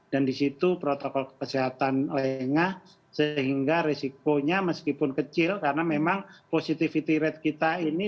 dan di situ protokol kesehatan lengah sehingga risikonya meskipun kecil karena memang positivity rate kita ini